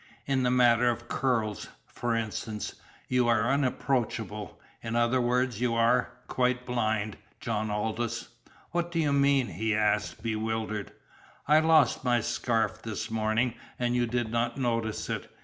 "In the matter of curls, for instance, you are unapproachable; in others you are quite blind, John Aldous!" "What do you mean?" he asked, bewildered. "I lost my scarf this morning, and you did not notice it.